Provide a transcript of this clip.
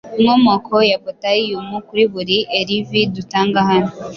Inkomoko ya potaiyumu kuri buri erivii dutanga hano